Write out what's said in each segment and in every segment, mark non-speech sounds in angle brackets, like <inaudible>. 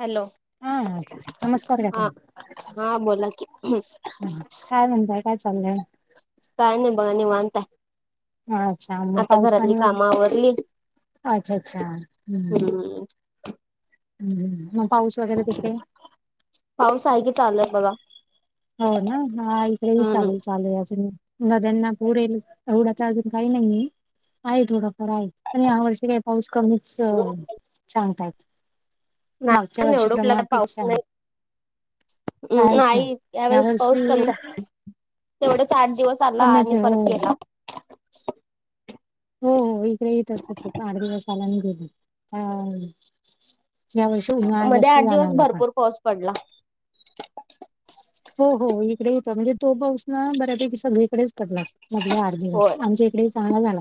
Hello! हा नमस्कार काका हा हा बोला की? काय म्हणताय? काय चाललंय? काय नाही बघा निवांत अच्छा आहे मग आता पाऊस घरातली पाणी काम वगैरे आवरलीत. अच्छा अच्छा हम्म ह् मग पाऊस वगैरे तिकडे पाऊस आहे की चाललाय बघा. हो ना? हा. इकडे बी हम्म. चालेल चालूय अजून. नद्याना पूर येईल एवढा तर अजून काही नाहीये. आहे थोडाफार आहे. पण ह्या वर्षी काही- पाऊस कमीच सांगतात. एवढ कुठला तर पाऊस नाही. म कायच ना नाही- या यावेेळेस वर्षी पाऊस कमीच आहे. तेवढच आठ दिवस आला कमीच आणि आहे हो परत गेला. हो हो. इकडे ही तसच आहे. आठ दिवस आला आणि गेला. या वर्षी उन्हाळा मध्ये जास्त आठ दिवस जाणवला पण. भरपूर पाऊस पडला. हो हो. इकडे बी होता. म्हणजे तो पाऊस ना बऱ्यापैकी सगळीकडेच पडला. मधले आठ दिवस होय आमच्या इकडे चांगला झाला.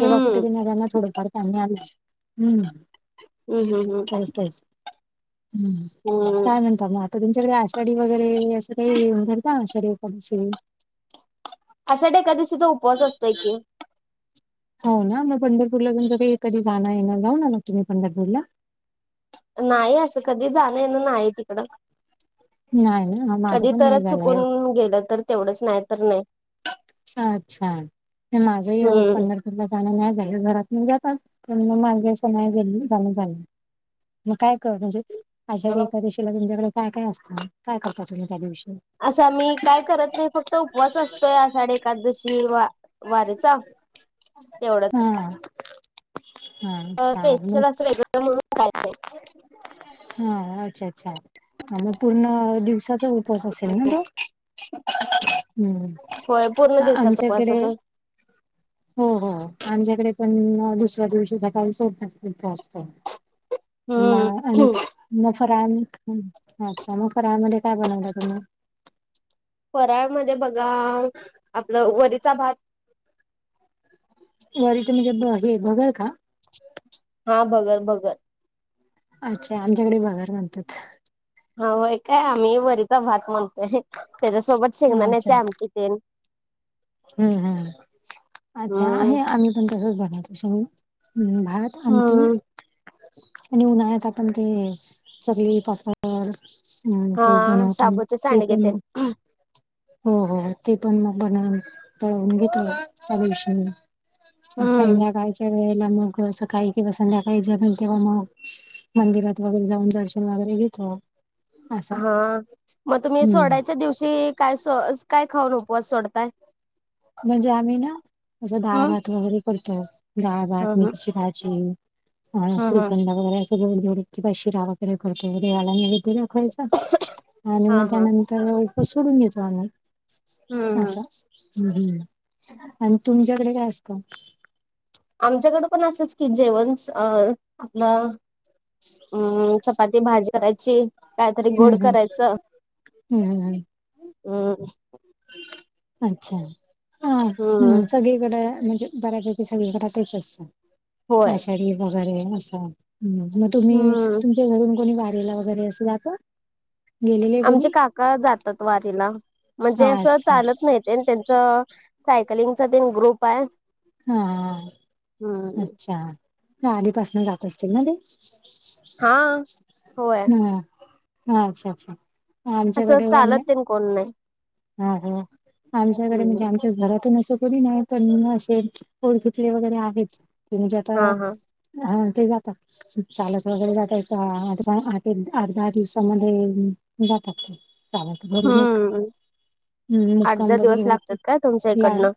तेव्हा कुठेतरी नद्यांना थोडंफार पाणी आलं. हम्म. हम्म हम् हम्. हम्. वगैरे असं काही <unintelligible> का? आषाढी एकादशीला. आषाढी एकादशीचा उपवास असतोय की. हो ना? मग पंढरपूरला तुमच काही कधी जाण, येण? जाऊ आलात तुम्ही पंढरपूरला? नाही. असं कधी जाणं येणं नाही तिकडं. नाही ना हा माझं कधी पण नाही तरच झालंय चुकून गेलं तर तेवढंच. नाही तर नाही. अच्छा. माझही यावेळी हम्म. पंढरपूर - ला जाण नाही झालं. घरातले म जातात पण माझ असं नाही जाण झालं. मग काय कर? म्हणजे आषाढी एकादशीला तुमच्याकडे काय काय असतं? काय करता तुम्ही त्या दिवशी? असं आम्ही काय करत नाही. फक्त उपवास असत- तो. आषाढ एकादशी वा वारीचा. हा तेवढाच. हा अच्छा मग स्पेशल असं वेगळं म्हणून काय नाही. हा. अच्छा अच्छा. आणि पूर्ण दिवसाचा उप - वास असेल ना तो? हम्म. होय. पूर्ण दिवसाचा उपास <unintelligible> हां. हां. आमच्याकडे पण दुसऱ्या दिवशी सकाळी सोडतात उपास तो. म आणि- हम्म म फराळ, अच्छा. मग फराळ मध्ये काय बनवलं तुम्ही? फराळ मधे बघा, आपलं वरीचा भात- वरीचा म्हणजे हे भगर का? हा. भगर भगर. अच्छा. आमच्याकडे भगर म्हणतात. होय का? आम्ही वरीचा भात म्हणतोय. त्याच्यासोबत अच्छा शेंगदाण्याची आमटी तेन. हम्म हम्. अच्छा हम्म आणि <unintelligible> हम्म. भात आमटी- हम्म आणि उन्हाळ्यात आपण ते चकली उपासवाली. हम. हा ते बनवतो. शाबूचे ते सांडगे पण. तेन हो हो. ते पण मग बनवून तळून घेतो. <unintelligible> हम्म संध्याकाळच्या वेळेला मग सकाळी- किंवा संध्याकाळी जमेल तेव्हा मग मंदिरात वगैरे जाऊन दर्शन वगैरे घेतो. असं हा. मग तुम्ही हम्म सोडायच्या दिवशी काय स काय खाऊन उपवास सोडताय? म्हणजे आम्ही ना? म्हणजे हम्म डाळभात वगैरे करतो. डाळभात, हम्म मेथीची भाजी आणि हम्म हम्म. श्रीखंड वगैरे असं - किंवा शिरा वगैरे करतो. देवाला नेवैदय दाखवायचा आणि हा मग हा त्यानंतर- मग उपास सोडून देतो आम्ही. हम्म हम्म. अस हम्. हं. आणि तुमच्याकडे काय असत? आमच्याकड पण असंच की जेवण अ आपलं हम्म, चपाती भाजी करायची कायतरी हम्म गोड हम्म करायचं. हम्म हम्म हम्म हम्म अच्छा! ह हम्म हम् सगळीकडे म्हणजे बऱ्यापैकी सगळीकडं तेच असतं होय आषाढी वगैरे असं. मग तुम्ही हम्म तुमच्या घरून कोणी वारीला वगैरे असे जात? आमचे काका जातात वारीला हा म्हणजे असं अच्छा चालत नाही. त्यांन त्यांच सायकलिंगचा ग्रुप आहे. हा हम्म अच्छा! आधीपासन जात असतील ना ते? हा होय हम्, अच्छा! अच्छा! असं आमच्याकडे आम्ही चालत ते कोण नाही- हा ह आमच्याकडे म्हणजे हम्म आम घरातून असं कोणी नाही पण असे ओळखितले वगैरे आहेत. ते म्हणजे आता, हा हा हा ते जाता. चालत वगैरे जाता येते आता आठ एक आठ दहा दिवसामध्ये जातात चालत घरून एक हम्म हम्, आठ मुक्काम दहा दिवस वगैरे लागतात होत. काय तुमच्या लांब इकडनं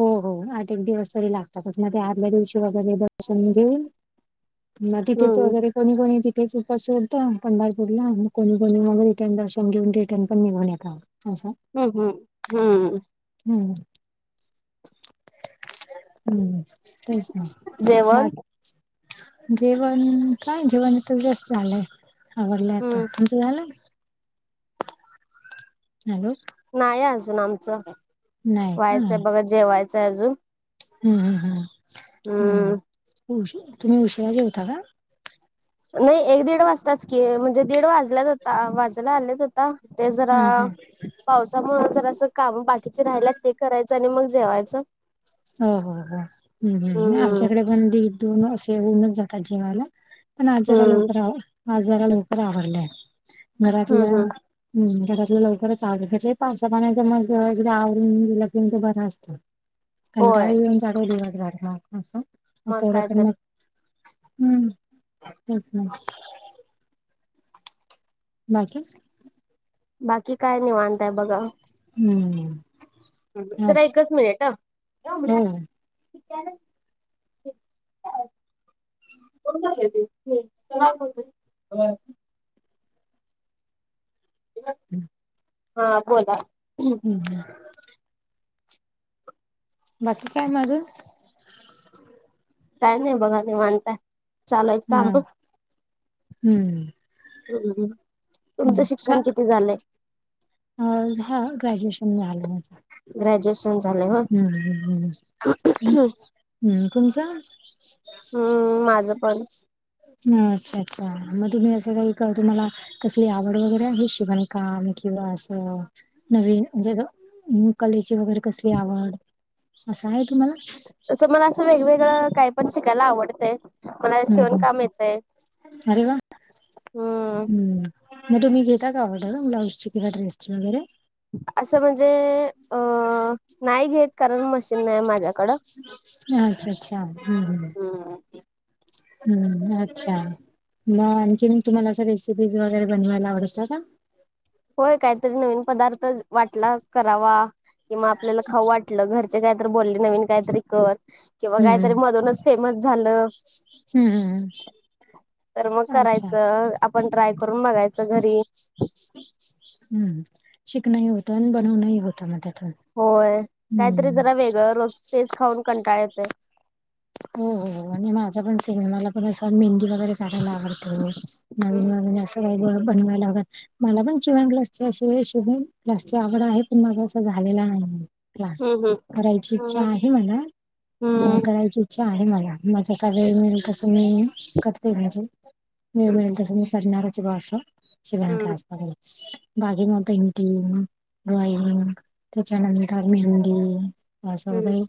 हो हो आठ एक दिवस तरी लागतातच मग ते आदल्या दिवशी वगैरे दर्शन घेऊन म तिथेच हम्म वगैरे कोणी कोणी तिथेच उपास सोडतं पंढरपूरला मग कोणी कोणी मग रिटर्न दर्शन घेऊन रिटर्न पण निघून येतात. असं. हम्म, हम्म, हम्म- हम्म, हम्म तेच ना, जेवण बाकी जेवण काय जेवण तर जस्ट झालंय आवरले आवरलेय हम्म आता तुमचं झालंय. हॅलो नाही अजून आमचं नाही का व्हायचंय बघा जेवायचंय अजून हम्म, हम्म, हम्म, हम्म उ तुम्ही उशिरा जेवता का? नाही एक दीड वाजताच की म्हणजे दीड वाजल्यात आत्ता वाजायला आल्यात आत्ता. ते जरा हा हा पावसामुळे जरासं काम बाकीचे राहिल्यात ते करायचं आणि मग जेवायचं. हो हो हो्, हम हम, नाय हम्म आमच्याकडे पण दीड दोन असे होऊनच जातात जेवायला. पण आज जरा हम्म लवकर आवरलय, आज जरा लवकर आवरलंय घरातल्या हम्म हम्म हम्, घरातलं लवकरच आवरून घेते पावसा पाण्याच मग एकदा आवरून गेलं कि तर बर असतं. कंटाळा होय येऊन जातो दिवसभर मग असं,, मग पोरं काय पण तर मग हम्म, तेच ना. बाकी. बाकी काय निवांत आहे बघा. हम्म. जरा अच्छा एकच मिनिट ह. हो. कोण त <unintelligible> चला <unintelligible> हम्म. हा बोला. हम्, हम- बाकी काय म आजुन? काय नाही बघा निवांत य चालू आहेत हा काम. हम्म हम्म, तुमचं शिक्षण किती झालंय? झा ग्रॅज्युएशन झालंय माझ. ग्रॅज्युएशन झाले हो हम! तुमचं. हम्म माझं पण अच्छा अच्छा मग तुम्ही असं काही तुम्हाला. कसली आवड वगैरे आहे शिवाण काम किंवा असं, नवीन म्हणजे कलेची वगैरे कसली आवड असं आहे तुम्हाला. तं मला असं वेगवेगळं काही पण शिकायला आवडतंय, कुनाला हम्म शिवण हम्म काम येतय. अरे वा! हम्म! मग तुम्ही घेता का ऑर्डर ब्लाऊजची किंवा किड्रेसची वगैरे. असं म्हणजे अ नाही घेत कारण म शिन नाही आहे माझ्याकड अच्छा अच्छा हम्म हम! हम्म अच्छा! आणखी मी तुम्हाला असं रेसिपीज वगैरे बनवायला आवडत का? होय काहीतरी नवीन पदार्थ वाटला करावा किंवा आपल्याला खाऊ वाट म्हटलं घरचे कायतरी बोलले नवीन काहीतरी कर, किंवा हम्म काहीतरी मधूनच फेमस झालं. हम्मम्! तर मग करायचं आपण ट्राय करून बघायचं घरी. हम् शिकण होतं आणि बनवण होतं मग त्यातून. होय काहीतरी हम्म. जरा वेगळं रोज तेच खाऊन कंटाळ येतय. हो हो आणि माझा पण सिनेमाला पण अस मेंद वगैरे काढायला आवडत नवीन नवीन असं काही बनवायला आव मला पण शिवण क्लास चि अशी वेळ शिअ शिवण क्लासची आवड आहे. पण माझ असं झालेला नाही. क्लास हम्म करायची इच्छा हम्म आहे मला, अ हम्म करायची इच्छा आहे मला. मला जसा वेळ मिळेल तसं मी करते घरातून. वेळ मिळेल तसा मी करणार च हे आस शिवण हम्म क्लास ब बागे मग पेंटिंग ड्रॉइंग. त्याच्यानंतर मेहंदी. असं हम्म वगैर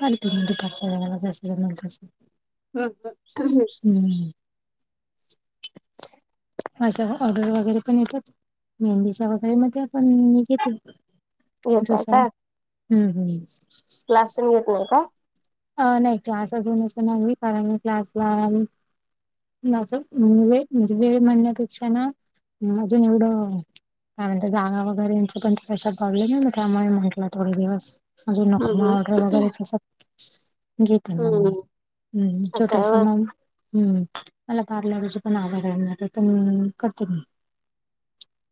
करते मंजे मला जस जमेल तस. करतात. <unintelligible> हम्म! अशा ऑर्डर वगैरे पण येतात, मेहंदीच्या वगैरे म ते पण मी घेते. घेताय जसा काय हम्म, हम्म! क्लास पण घेत नाही का? अ नाही क्लास अजून असं नाही कारण मी क्लासला माझं मन वे म्हणजे वेळ म्हणण्यापेक्षा ना अजून एवढंऔ कानंतर जागा वगैरे यांचे पण प्रशर पडले ना ना त्यामुळे म्हटला थोडे दिवस‌. अजून नको मा हम्म ऑर्डर वगैरेच अस घेत म हम्म मी हम्म हम्म असं आहे छोटास होय म हम्म मला पार्लरची पण आवड आहे म तर पण करते मी.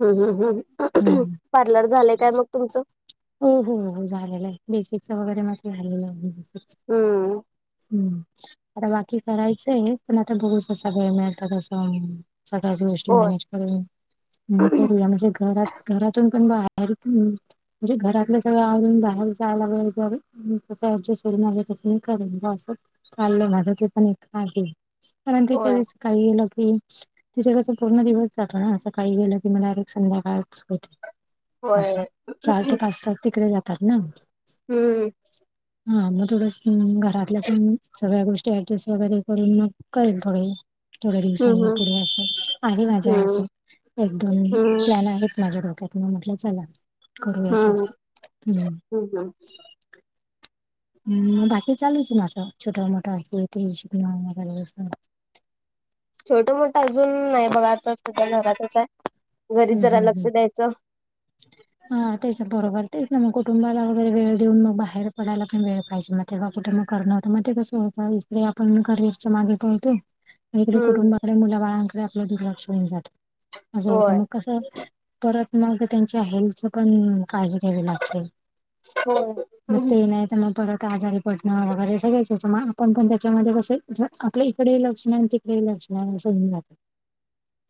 होम, हम, हम! हम्म! पार्लर झालंय काय मग तुमचं? हो हो हो झालेलं आहे बेसिकच वगैरे म आलेलं आहे. हम्म हम्म! आता बाकी करायचं आहे, पण आता बघुस सगळे मिळतातसं सगळ्याच गोष्टी होय मॅनेज हो करूया म्हणजे घरात घरातून पण बाहेर म्हणजे घरातलं सगळं आवरून बाहेर जायला सग तस ऍडजेस्ट होन आलं तस म करल असं चाललंय माझं ते पण एक आहे. कारण त होय कधीचं काही लंकी. तिथे त्याचा पूर्ण दिवस जातो ना, असं काही गेलं की मला डयरेक्ट संध्याकाळच होते. होय असं होय. चार ते पाच तास तिकडे जातात ना. हूं! हा म थोडस घरातल्या, पण सगळ्या गोष्टी ऍडजस्ट वगैरे करून मग करेल थोडे थोड्या दिवसांनी हम्म पुढे, अस आहे माज्या अस. हम्म एक दोन ही हम्म प्लॅन आहेत माझ्या डोक्यात, म म्हटलं चला. करूया हं त्याच हं हं! हूं बाकी चालूच हे माझं छोट, मोठ, हे, ते <unintelligible> छोटं, मोठं, अजून नाही बघा आता सध्या घरातच आहे, घरीच हम्म जरा हम्म लक्ष हम्म द्यायचं. हा तेच बरोबर, तेच ना मग कुटुंबाला वगैरे वेळ देऊन, मग बाहेर पडायला पण वेळ पाहिजे ना. तेव्हा कुठे मग करणं होतं, म ते कंस होतं इकडे आपण करिअरच्या मागे पाळतोय. इकडे हम्म कुटुंबाकडे मुला बाळांकडे, आपलं दुर्लक्ष होऊन जातं असं होय होतं मग कसं. परत मग त्यांच्या हेल्थ चं पण काळजी घ्यावी लागते. होय. म हम्म. ते नाही त मग परत आजारी पडण वैगैरे सगळच येत म आपण पण त्याच्यामध्ये कस य आपल इकडेही लक्ष नाही न तिक डे लक्ष नाही अस हुन जात.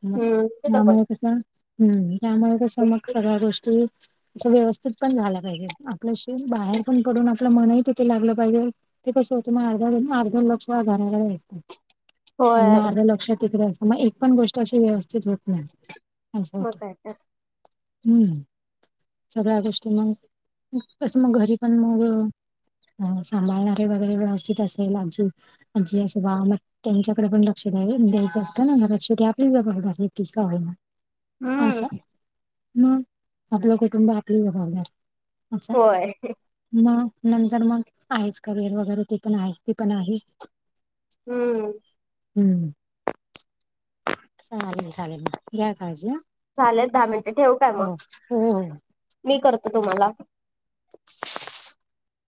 मग त्यामुळ कस, हूं त्यामुळ कसं मग सगळ्या गोष्टी अश्या व्यवस्थित पण झाल्या पाहिजे, आपल्या शी बाहेर पण पडून, आपलं मनही तिथे लागलं पाहिजे. ते कसं होतं मग अर्धा, अर्धा लक्ष घराला असत. आणि होय. म अर्ध लक्ष तिकडे असतं, म एक पण गोष्ट अशी व्यवस्थित होत नाही, असं मग होतं. काय तर. हूं सगळ्या गोष्टी मग कसं, मग घरी पण मग. ह सांभाळणारे वगैरे व्यवस्थित असेल, आजी, आजी, असं बावा ला. त्यांच्याकडे पण लक्ष द्या द्यायचं असतं ना, शेवटी आपलीचं जबाबदारी आहे, ती का होईना. हूं! म आपलं कुटुंब आपली जबाबदारी अस आहे. होय. म नंतर मग आहेच करियर वगैरे ते पण आहेच ती पण आहे. हूं! हूं! चालेल, चालेल म घ्या काळजी हा. झालेत दहा मिनटं, ठेवू काय म हो हो. मी करतो तुम्हाला.